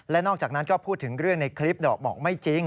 และนอกจากนั้นก็พูดถึงเรื่องในคลิปดอกบอกไม่จริง